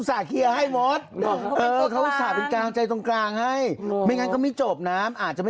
พี่หนุ่มเขาอุตส่าห์เคลียร์ให้หม้อน